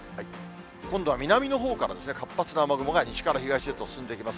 今度は南のほうから活発な雨雲が西から東へと進んできます。